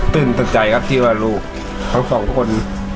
ตื่นตกใจครับที่ว่าลูกทั้งสองคน